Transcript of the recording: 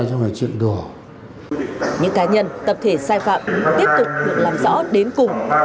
những cá nhân tập thể sai phạm tiếp tục được làm rõ đến cùng